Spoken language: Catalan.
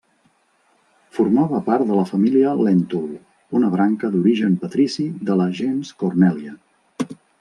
Formava part de la família Lèntul, una branca d'origen patrici de la gens Cornèlia.